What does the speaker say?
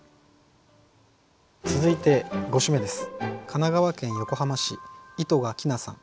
続いて５首目です。